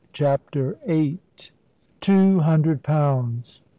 CHAPTER VIII Two hundred pounds.